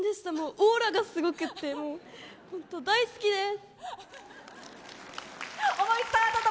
オーラがすごくて本当、大好きです。